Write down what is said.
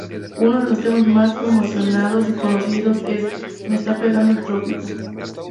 Uno de los temas más promocionados y conocidos es "Me está pegando el trópico".